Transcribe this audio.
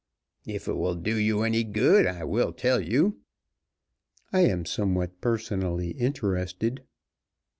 "If it will do you any good, I will tell you." "I am somewhat personally interested."